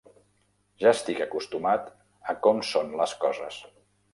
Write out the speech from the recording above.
Ja estic acostumat a com són les coses.